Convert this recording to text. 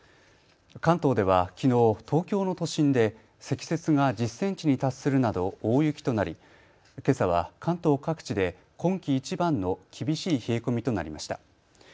関東ではきのう東京の都心で積雪が１０センチに達するなど大雪となりけさは関東各地で今季いちばんの厳しい冷え込みとなりました。